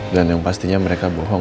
dan yang pastinya mereka bohong